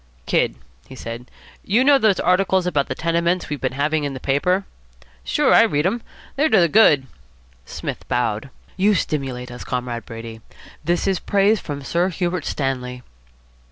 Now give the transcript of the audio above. "Kid," he said, "you know those articles about the tenements we've been having in the paper?" "Sure. I read 'em. They're to the good." Psmith bowed. "You stimulate us, Comrade Brady. This is praise from Sir Hubert Stanley."